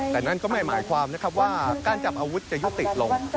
แต่นั่นก็ไม่หมายความว่าก้านจับอาวุธจะยุติดลง